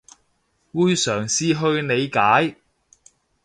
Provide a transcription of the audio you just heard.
會嘗試去理解